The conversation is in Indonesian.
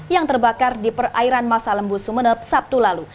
yang terbakar di perairan masa lembu sumeneb sabtu lalu